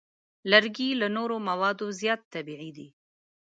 لرګی له نورو موادو زیات طبیعي دی.